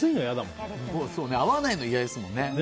合わないの嫌ですもんね。